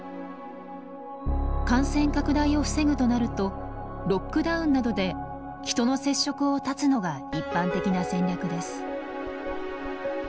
感染拡大を防ぐとなるとロックダウンなどで人の接触を絶つのが一般的な戦略です。